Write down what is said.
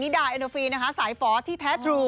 นี่ดาเอ็นโดรฟินนะคะสายฟอสที่แททรู